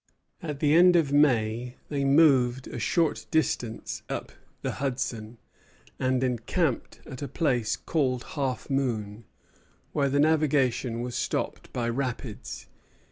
At the end of May they moved a short distance up the Hudson, and encamped at a place called Half Moon, where the navigation was stopped by rapids.